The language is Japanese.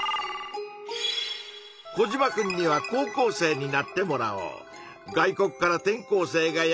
コジマくんには高校生になってもらおう。